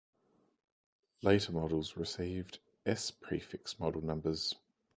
Later models received S-prefix model numbers.